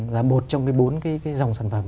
là một trong bốn cái dòng sản phẩm